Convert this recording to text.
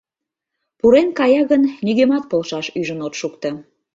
Пурен кая гын, нигӧмат полшаш ӱжын от шукто.